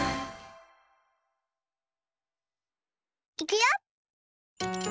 いくよ！